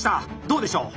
どうでしょう？